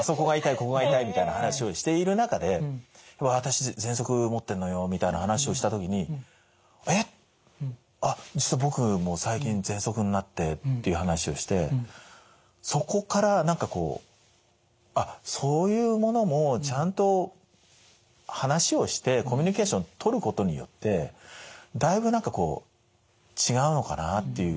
ここが痛いみたいな話をしている中で私ぜんそく持ってんのよみたいな話をした時にえっあっ実は僕も最近ぜんそくになってっていう話をしてそこから何かこうあっそういうものもちゃんと話をしてコミュニケーションを取ることによってだいぶ何かこう違うのかなっていう。